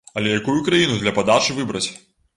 Але якую краіну для падачы выбраць?